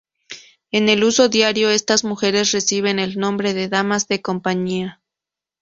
En el uso diario, estas mujeres reciben el nombre de damas de compañía.